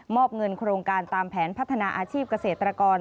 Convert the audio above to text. อบเงินโครงการตามแผนพัฒนาอาชีพเกษตรกร